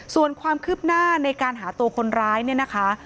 ส่วนความคืบหน้าในการหาตัวคนร้ายเนี่ยนะคะ